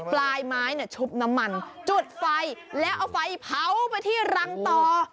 ปลายไม้ชุบน้ำมันจุดไฟแล้วเอาไฟเผาไปที่รังต่อ